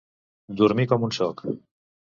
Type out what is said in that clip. Dormir com un soc.